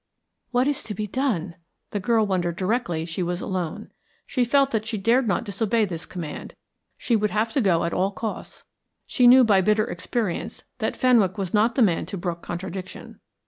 "What is to be done?" the girl wondered directly she was alone. She felt that she dared not disobey this command; she would have to go at all costs. She knew by bitter experience that Fenwick was not the man to brook contradiction.